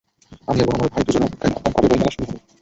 আমি এবং আমার ভাই দুজনে অপেক্ষায় থাকতাম কবে বইমেলা শুরু হবে।